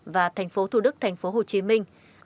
và thành phố thủ đức thành phố hồ chí minh